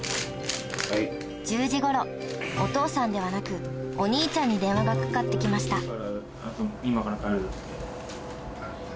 １０時頃お父さんではなくお兄ちゃんに電話がかかって来ました